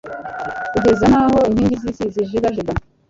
bigeza n’aho inkingi z’isi zijegajega